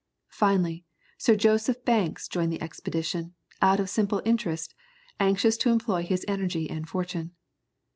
Finally, Sir Joseph Banks joined the expedition, out of simple interest, anxious to employ his energy and fortune.